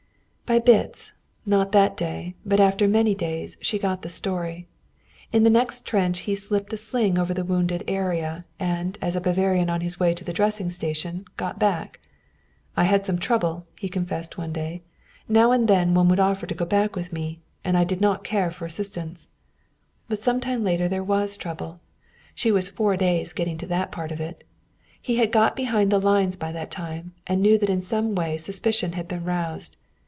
By bits, not that day, but after many days, she got the story. In the next trench he slipped a sling over the wounded arm and, as a Bavarian on his way to the dressing station, got back. "I had some trouble," he confessed one day. "Now and then one would offer to go back with me. And I did not care for assistance!" But sometime later there was trouble. She was four days getting to that part of it. He had got behind the lines by that time, and he knew that in some way suspicion had been roused.